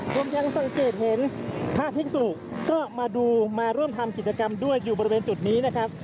ยังสังเกตเห็นพระภิกษุก็มาดูมาร่วมทำกิจกรรมด้วยอยู่บริเวณจุดนี้นะครับ